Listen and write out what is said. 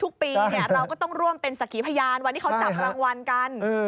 ทุกปีเราก็ต้องร่วมเป็นสักขีพยานวันที่เขาจับรางวัลกัน